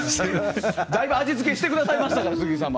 だいぶ味付けしてくださいましたから鈴木さんも。